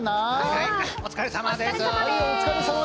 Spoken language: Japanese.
はい、お疲れ様です。